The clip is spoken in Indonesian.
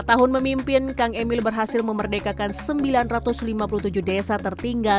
lima tahun memimpin kang emil berhasil memerdekakan sembilan ratus lima puluh tujuh desa tertinggal